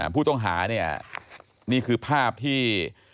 ผู้ต้องหานี่คือภาพที่